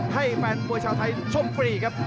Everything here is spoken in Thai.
ให้แฟนมวยชาวไทยชมฟรีครับ